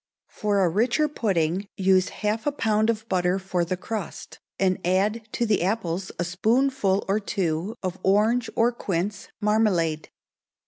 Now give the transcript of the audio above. For a richer pudding use half a pound of butter for the crust, and add to the apples a spoonful or two of orange or quince marmalade.